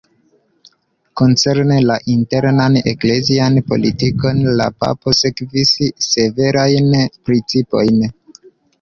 Koncerne la internan eklezian politikon la papo sekvis severajn principojn.